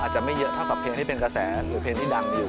จะไม่เยอะเท่ากับเพลงที่เป็นกระแสหรือเพลงที่ดังอยู่